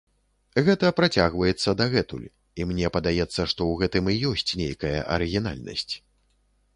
Гэта працягваецца дагэтуль, і мне падаецца, што ў гэтым і ёсць нейкая арыгінальнасць.